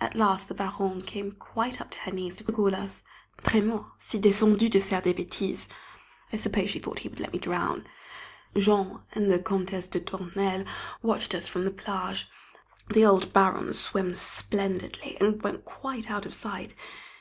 At last the Baronne came out quite up to her knees to call to us "Trémors, c'est défendu de faire des bêtises." I suppose she thought he would let me drown. Jean and the Comtesse de Tournelle watched us from the plage. The old Baron swims splendidly, and went quite out of sight.